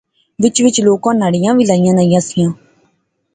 وچ وچ لوکیں نڑیاں وی لایاں نیاں سیاں